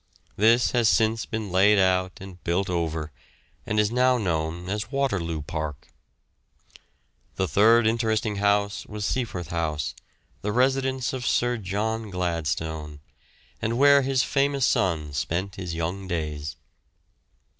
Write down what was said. This has since been laid out and built over, and is now known as Waterloo Park. The third interesting house was Seaforth House, the residence of Sir John Gladstone, and where his famous son spent his young days.